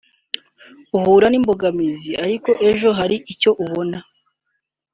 uhura n’ imbogamizi ariko ejo hari icyo ubona